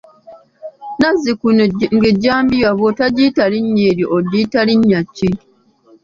Nazzi kuno nga ejjambiya bw'otogiyita linnya eryo ogiyita linnya ki?